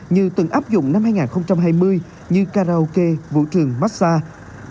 như từng áp dụng năm hai nghìn hai mươi như karaoke vũ trường massage